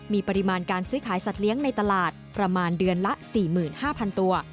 มีปริมาณการซื้อขายสัตว์เลี้ยงในตลาดประมาณเดือนละ๔๕๐๐๐ตัว